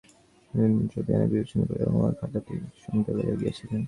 স্নেহশীলা যশি অনেক বিবেচনা করিয়া উমার খাতাটি সঙ্গে লইয়া গিয়াছিল।